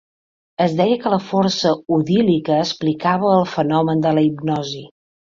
Es deia que la força odílica explicava el fenomen de la hipnosi.